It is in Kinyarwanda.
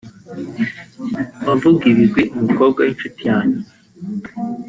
mba mvuga ibigwi umukobwa w’inshuti yanjye